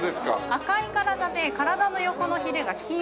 赤い体で体の横のヒレが黄色い魚。